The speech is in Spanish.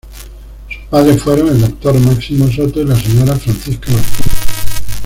Sus padres fueron: el doctor Máximo Soto y la señora Francisca Martínez.